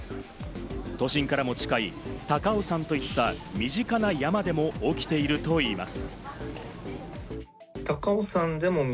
都心からも近い高尾山といった身近な山でも起きているといいます。